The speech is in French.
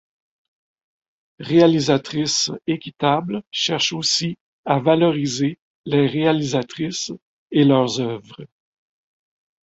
Réalisatrices équitables cherche aussi à valoriser les réalisatrices et leurs œuvres.